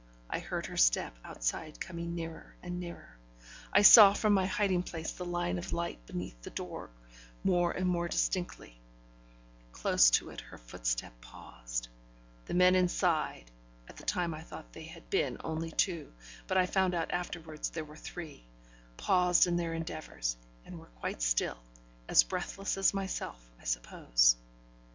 I heard her step outside coming nearer and nearer; I saw from my hiding place the line of light beneath the door more and more distinctly; close to it her footstep paused; the men inside at the time I thought they had been only two, but I found out afterwards there were three paused in their endeavours, and were quite still, as breathless as myself, I suppose.